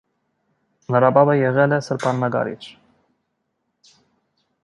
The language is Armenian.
Նրա պապը եղել է սրբանկարիչ։